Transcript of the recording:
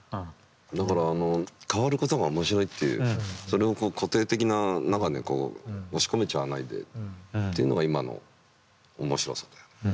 だから変わることが面白いっていうそれを固定的な中に押し込めちゃわないでっていうのが今の面白さだよ。